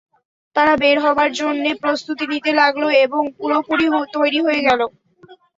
তারা বের হবার জন্যে প্রস্তুতি নিতে লাগল এবং পুরোপুরি তৈরি হয়ে গেল।